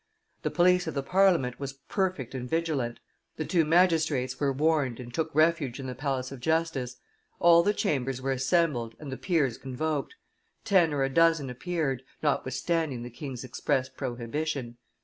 The police of the Parliament was perfect and vigilant; the two magistrates were warned and took refuge in the Palace of Justice; all the chambers were assembled and the peers convoked. Ten or a dozen appeared, notwithstanding the king's express prohibition.